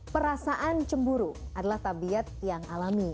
perasaan cemburu adalah tabiat yang alami